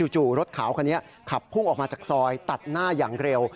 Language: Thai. รถขาวคันนี้ขับพุ่งออกมาจากซอยตัดหน้าอย่างเร็ว